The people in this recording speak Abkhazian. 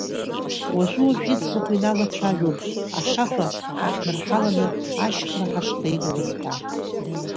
Уажәы-уажәы иӡбахә иналацәажәон, ашаха ҳахьнырҳаланы, ашьхара ҳашхаигалаз ҳәа.